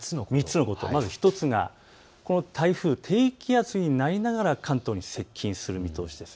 まず１つがこの台風、低気圧になりながら関東に接近する見通しです。